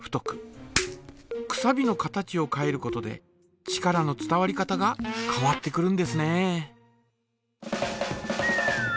くさびの形を変えることで力の伝わり方が変わってくるんですね。